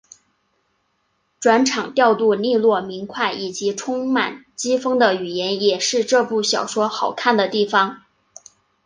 转场调度俐落明快以及充满机锋的语言也是这部小说好看的地方。